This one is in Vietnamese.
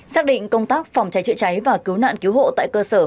xác định công tác phòng cháy chữa cháy và cứu nạn cứu hộ tại cơ sở